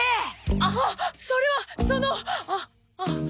あっそれはその。